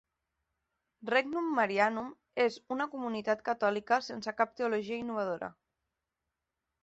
Regnum Marianum és una comunitat catòlica sense cap teologia innovadora.